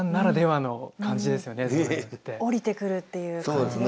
降りてくるっていう感じですか？